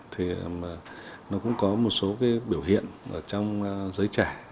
thì nó cũng có một số biểu hiện trong giới trẻ